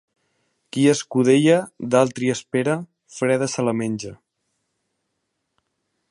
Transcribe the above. Qui escudella d'altri espera, freda se la menja.